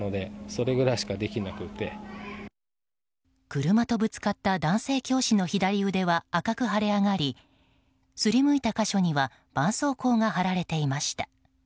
車とぶつかった男性教師の左腕は赤く腫れ上がりすりむいた箇所には絆創膏が貼られていました。